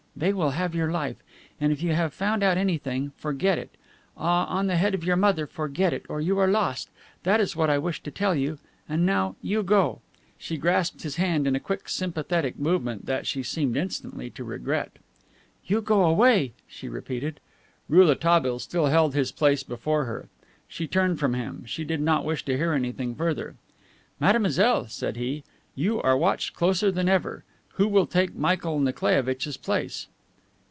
They will have your life. And if you have found out anything, forget it. Ah, on the head of your mother, forget it, or you are lost. That is what I wished to tell you. And now, you go." She grasped his hand in a quick sympathetic movement that she seemed instantly to regret. "You go away," she repeated. Rouletabille still held his place before her. She turned from him; she did not wish to hear anything further. "Mademoiselle," said he, "you are watched closer than ever. Who will take Michael Nikolaievitch's place?"